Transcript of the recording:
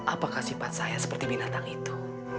apakah sifat saya seperti binatang itu